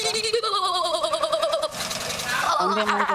Waambie Mungu ni baba wa mayatima.